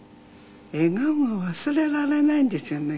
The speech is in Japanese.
笑顔が忘れられないんですよね